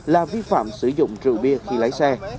là vi phạm sử dụng rượu bia khi lái xe